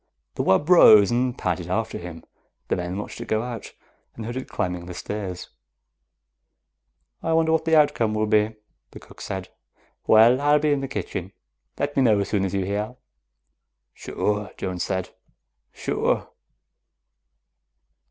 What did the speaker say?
The wub rose and padded after him. The men watched it go out. They heard it climbing the stairs. "I wonder what the outcome will be," the cook said. "Well, I'll be in the kitchen. Let me know as soon as you hear." "Sure," Jones said. "Sure."